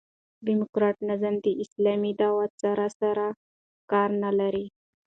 ډيموکراټ نظام د اسلامي دعوت سره سر و کار نه لري.